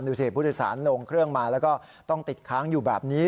สิผู้โดยสารลงเครื่องมาแล้วก็ต้องติดค้างอยู่แบบนี้